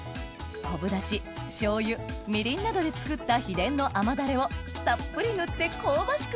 昆布だし醤油みりんなどで作った秘伝の甘ダレをたっぷり塗って香ばしく